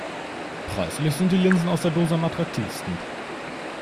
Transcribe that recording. Preislich sind die Linsen aus der Dose am attraktivsten.